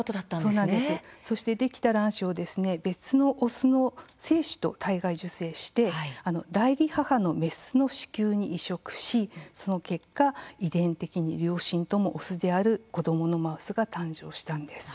そしてできた卵子を別のオスの精子と体外受精して代理母のメスの子宮に移植しその結果、遺伝的に両親ともオスである子どものマウスが誕生したんです。